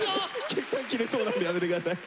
血管切れそうなんでやめて下さい。